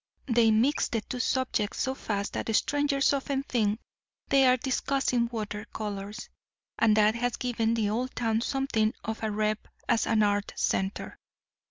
They mix the two subjects so fast that strangers often think they are discussing water colours; and that has given the old town something of a rep as an art centre.